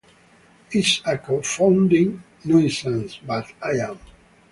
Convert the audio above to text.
It's a confounded nuisance, but I am.